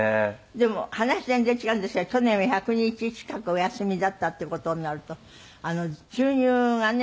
でも話全然違うんですが去年は１００日近くお休みだったって事になるとあの収入がね。